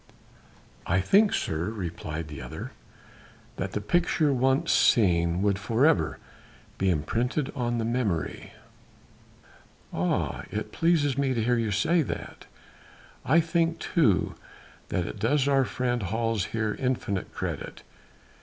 "I think, sir," replied the other, "that the picture once seen would for ever be imprinted on the memory." "Ah! it pleases me to hear you say that. I think too that it does our friend Hals here infinite credit.